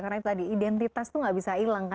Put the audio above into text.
karena itu tadi identitas itu tidak bisa hilang